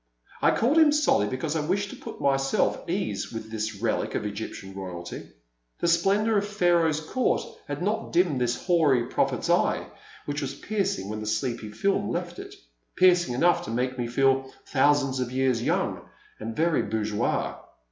I called him Solly because I wished to put my self at ease with this relic of Egyptian Royalty. The splendour of Pharo's court had not dimmed this hoary prophet's eye, which was piercing when the sleepy film left it — piercing enough to make me feel thousands of years young, and very bourgeois.